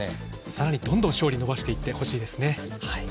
さらにどんどん勝利を伸ばしていってほしいですね。